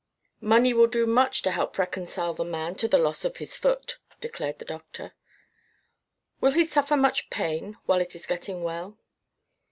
"Money will do much to help reconcile the man to the loss of his foot," declared the doctor. "Will he suffer much pain, while it is getting well?"